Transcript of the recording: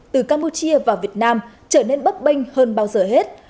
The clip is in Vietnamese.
từ campuchia vào việt nam trở nên bấp bênh hơn bao giờ hết